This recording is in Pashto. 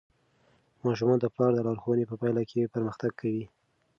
ماشومان د پلار د لارښوونو په پایله کې پرمختګ کوي.